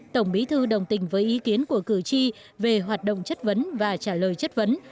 tổng bí thư đồng tình với ý kiến của cử tri về hoạt động chất vấn và trả lời chất vấn